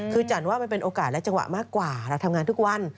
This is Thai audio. คือจันว่ามันเป็นโอกาสและจังหวะมากกว่าเราทำงานทุกวัน